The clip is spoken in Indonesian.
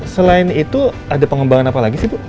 selain itu ada pengembangan apa lagi sih bu